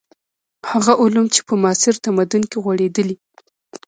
هغه علوم چې په معاصر تمدن کې غوړېدلي.